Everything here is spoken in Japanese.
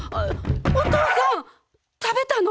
おとうさん食べたの？